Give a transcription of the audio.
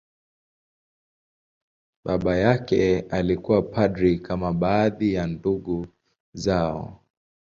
Baba yake alikuwa padri, kama baadhi ya ndugu zao.